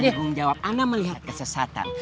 aku menjawab ana melihat kesesatan